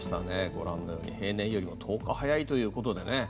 ご覧のように、平年より１０日早いということでね。